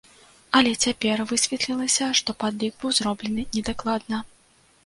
Але цяпер высветлілася, што падлік быў зроблены недакладна.